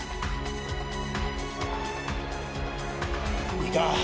いいか？